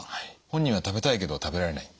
本人は食べたいけど食べられない。